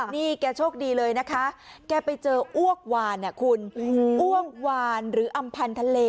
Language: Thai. นี่แกโชคดีเลยนะคะแกไปเจออ้วกวานคุณอ้วกวานหรืออำพันธเล